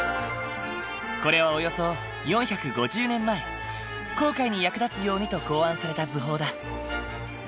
これはおよそ４５０年前航海に役立つようにと考案された図法だ。